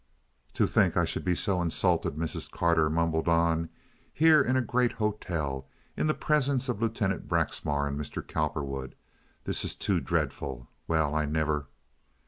"To think I should be so insulted," Mrs. Carter mumbled on, "here in a great hotel, in the presence of Lieutenant Braxmar and Mr. Cowperwood! This is too dreadful. Well, I never."